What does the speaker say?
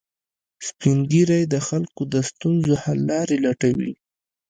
سپین ږیری د خلکو د ستونزو حل لارې لټوي